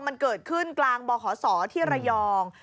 มันเกิดขึ้นกลางบขศที่ระยอง